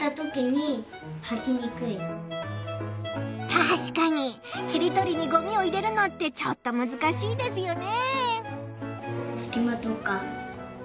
たしかにちりとりにごみを入れるのってちょっとむずかしいですよね。